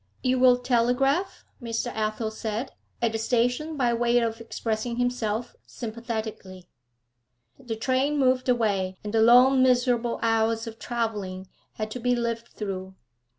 'You will telegraph?' Mr. Athel said, at the station, by way of expressing himself sympathetically. The train moved away; and the long, miserable hours of travelling had to be lived through.